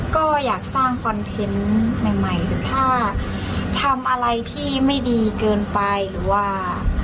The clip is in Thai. ก็อยากสร้างคอนเทนต์ใหม่ถ้าทำอะไรที่ไม่ดีเกินไปหรือว่า